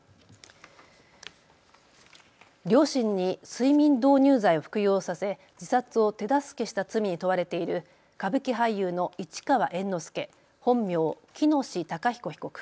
両親に睡眠導入剤を服用させ自殺を手助けした罪に問われている歌舞伎俳優の市川猿之助、本名・喜熨斗孝彦被告。